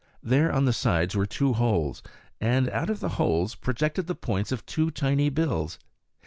There, on the sides, were two holes, and out of the holes projected the points of two tiny bills.